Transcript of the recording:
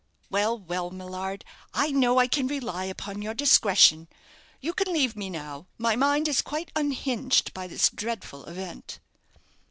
"Well, well, Millard; I know I can rely upon your discretion. You can leave me now my mind is quite unhinged by this dreadful event."